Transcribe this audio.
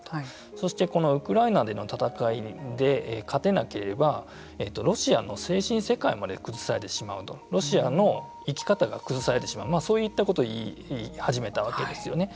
そしてこのウクライナでの戦いで勝てなければロシアの精神世界まで崩されてしまうとロシアの生き方が崩されてしまうそういったことを言い始めたわけですよね。